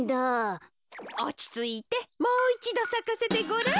おちついてもういちどさかせてごらん。